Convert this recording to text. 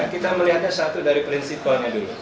kita melihatnya satu dari prinsipalnya dulu